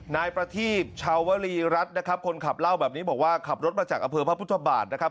นายประทีบชาวรีรัฐนะครับคนขับเล่าแบบนี้บอกว่าขับรถมาจากอำเภอพระพุทธบาทนะครับ